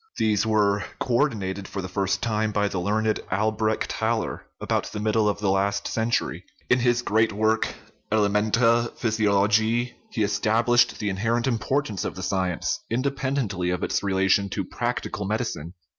These were co ordinated for the first time by the learned Albrecht Haller about the middle of the last century; in his great work, Elementa Physiolo giae, he established the inherent importance of the sci ence, independently of its relation to practical medi cine.